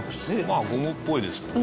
まあゴムっぽいですかね。